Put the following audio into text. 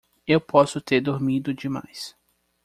Eu posso ter dormido demais.